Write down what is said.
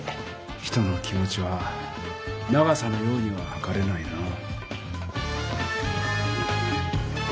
人の気持ちは長さのようにははかれないなぁ。